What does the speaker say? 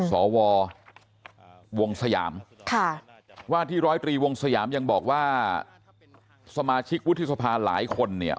สววงสยามค่ะว่าที่ร้อยตรีวงสยามยังบอกว่าสมาชิกวุฒิสภาหลายคนเนี่ย